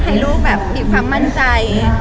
ให้ลูกแบบมีความมั่นใจ